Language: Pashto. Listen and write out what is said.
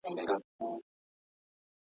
دوه او درې ځله غوټه سو په څپو کي!